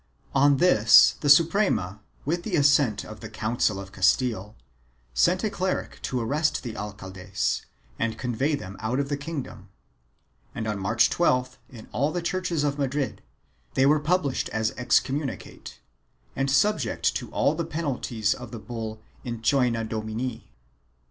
On this the Suprema, with the assent of the Council of Castile, sent a cleric to arrest the alcaldes and convey them out of the kingdom, and on March 12th, in all the churches of Madrid, they were published as excommunicate and subject to all the penalties of the bull in Ccena Domini.